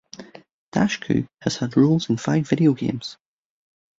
Dushku has had roles in five video games.